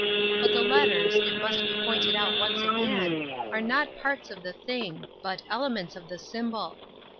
But the / letters, it must be pointed out once again, are not parts of the thing, but elements of the symbol.